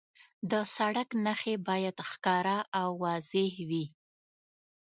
د سړک نښې باید ښکاره او واضح وي.